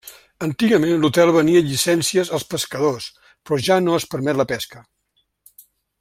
Antigament l'hotel venia llicències als pescadors però ja no es permet la pesca.